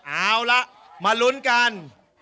เอาละมาลุ้นกัน